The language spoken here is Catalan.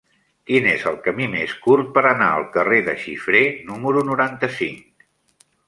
Quin és el camí més curt per anar al carrer de Xifré número noranta-cinc?